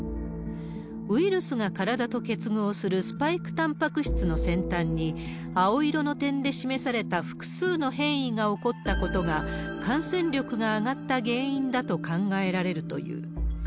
ウイルスが体と結合するスパイクたんぱく質の先端に、青色の点で示された複数の変異が起こったことが、感染力が上がった原因だと考えられるという。